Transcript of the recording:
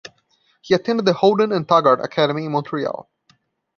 He attended the Howden and Taggart Academy in Montreal.